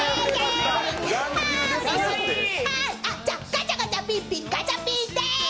ガチャガチャピンピン、ガチャピンです。